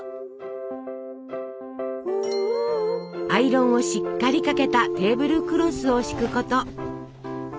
アイロンをしっかりかけたテーブルクロスを敷くこと。